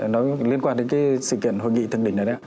nó liên quan đến cái sự kiện hội nghị thượng đỉnh này đấy